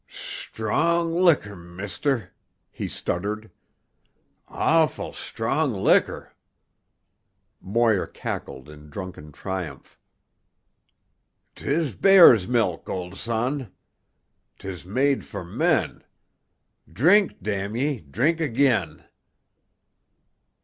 "Sh sh shtrong liquor, m m mishter," he stuttered. "Awful sh sh shtrong liquor." Moir cackled in drunken triumph. "'Tish bear's milk, old shon. 'Tish made for men. Drink, —— ye, drink again!"